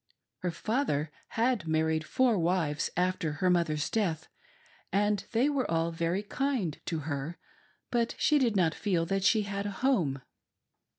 Her father had married four wives after her mother's death, and they were all very kind to her, but she did not feel that she had a home.